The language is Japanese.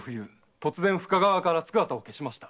突然深川から姿を消しました。